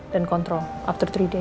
dan kontrol setelah tiga hari ya